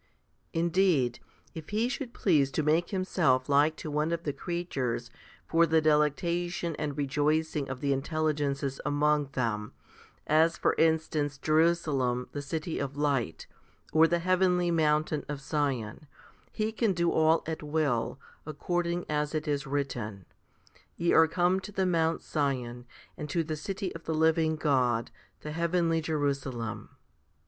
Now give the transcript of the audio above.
1 2. Indeed, if He should please to make Himself like to one of the creatures for the delectation and rejoicing of the intelligences among them, as for instance Jerusalem the city of light, or the heavenly mountain of Sion, 1 He can do all at will, according as it is written, Ye are come to the Mount Sion, and to the city of the living God, the heavenly Jerusalem.